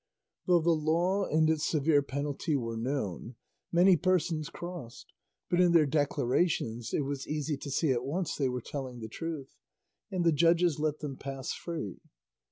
Though the law and its severe penalty were known, many persons crossed, but in their declarations it was easy to see at once they were telling the truth, and the judges let them pass free.